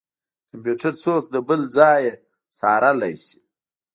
کمپيوټر څوک د بل ځای نه څارلی شي.